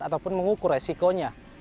atau mengukur resikonya